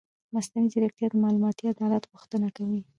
مصنوعي ځیرکتیا د معلوماتي عدالت غوښتنه کوي.